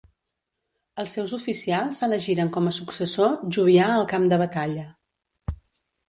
Els seus oficials elegiren com a successor Jovià al camp de batalla.